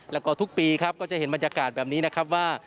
แล้วก็ทุกปีครับก็จะเห็นบรรยากาศแบบนี้นะครับว่า